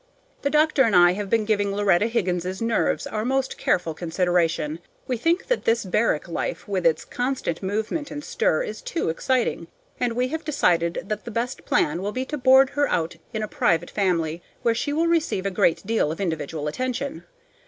The doctor and I have been giving Loretta Higgins's nerves our most careful consideration. We think that this barrack life, with its constant movement and stir, is too exciting, and we have decided that the best plan will be to board her out in a private family, where she will receive a great deal of individual attention.